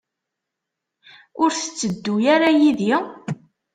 Ur tetteddu ara yid-i?